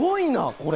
これ！